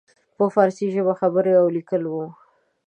په فارسي ژبه خبرې او لیکل وو.